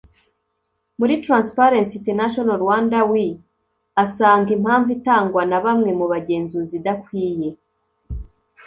muri Transparency International-Rwanda we asanga impamvu itangwa na bamwe mu bagenzuzi idakwiye